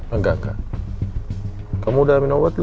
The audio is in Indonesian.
enggak enggak kamu udah minum obat